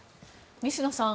西野さん